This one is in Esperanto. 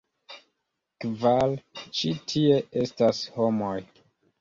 Kvare, ĉi tie estas homoj.